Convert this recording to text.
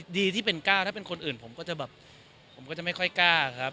ดีที่เป็นก้าวถ้าเป็นคนอื่นผมก็จะไม่ค่อยก้าว